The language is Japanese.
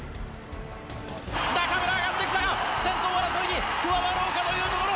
中村、上がってきたが、先頭争いに加わろうかというところ。